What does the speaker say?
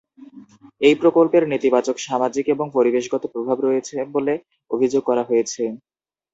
এই প্রকল্পের নেতিবাচক সামাজিক এবং পরিবেশগত প্রভাব রয়েছে বলে অভিযোগ করা হয়েছে।